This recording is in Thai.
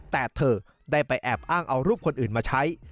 แต่เธอได้ไปแอบอ้างเอารูปคนอื่นมาใช้